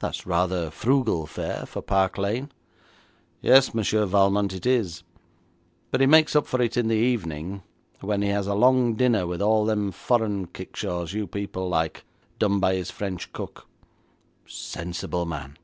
'That's rather frugal fare for Park Lane.' 'Yes, Monsieur Valmont, it is, but he makes it up in the evening, when he has a long dinner with all them foreign kickshaws you people like, done by his French cook.' 'Sensible man!